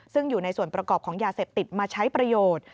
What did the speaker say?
ซึ่งอยู่ในส่วนประกอบของยาเสพติดมาใช้ประโยชน์